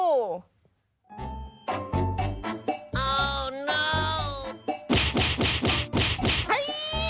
โอ้ไม่